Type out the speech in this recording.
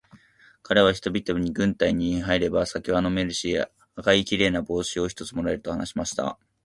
かれは人々に、軍隊に入れば酒は飲めるし、赤いきれいな帽子を一つ貰える、と話しました。